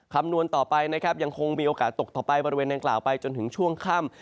คำนวณต่อไปนะครับยังคงมีโอกาสตกต่อไปบริเวณนางกล่าวไปจนถึงช่วงค่ำ